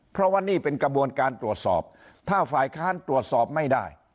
เพราะว่านี่เป็นกระบวนการตรวจสอบถ้าฝ่ายค้านตรวจสอบไม่ได้